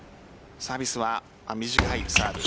サービスは短いサーブ。